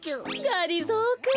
がりぞーくん。